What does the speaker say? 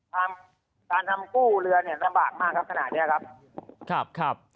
ความการทำกู้เรือเนี้ยสำหรับมากครับขนาดเนี้ยครับครับครับ